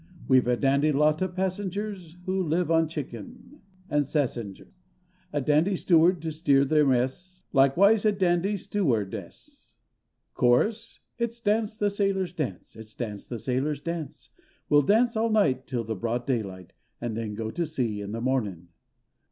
We've a dandy lot Of passengers, Who live on chicken And sassengers; A dandy steward To steer their mess; Likewise a dandy— Stew—ard—ess! Chorus. It's dance, the sailors, dance! It's dance, the sailors, dance! We'll dance all night till the broad daylight, And then go to sea in the mornin'!